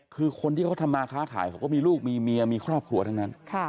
คือคนที่เขาทำมาค้าขายเขาก็มีลูกมีเมียมีครอบครัวทั้งนั้น